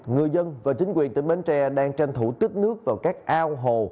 người dân và chính quyền tỉnh bến tre đang tranh thủ tích nước vào các ao hồ